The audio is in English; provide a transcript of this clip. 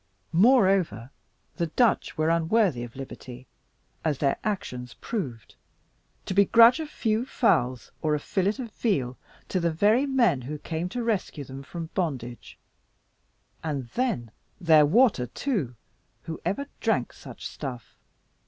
Moreover, the Dutch were unworthy of liberty, as their actions proved, to begrudge a few fowls, or a fillet of veal, to the very men who came to rescue them from bondage; and then their water, too, who ever drank such stuff?